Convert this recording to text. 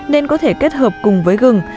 nên có thể kết hợp cùng với gừng